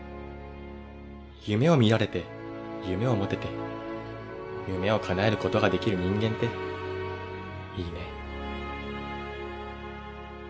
夢を見られて夢を持てて夢をかなえることができる人間っていいね